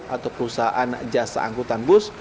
atau perusahaan jasa angkutan bus